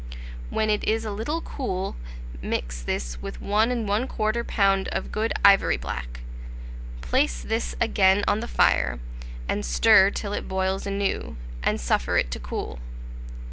When it is a little cool, mix this with 1 1/4 lb. of good ivory black; place this again on the fire, and stir till it boils anew, and suffer it to cool.